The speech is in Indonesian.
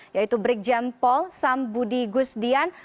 yaitu brik jempol sam budi gusdian